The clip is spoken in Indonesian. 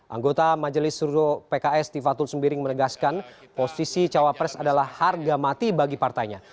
anggota majelis suro pks tifatul sembiring menegaskan posisi cawapres adalah harga mati bagi partainya